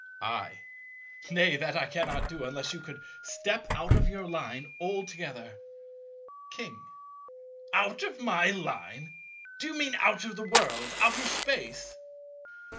I. Nay, that I cannot do, unless you could step out of your Line altogether. King. Out of my Line? Do you mean out of the world? Out of Space?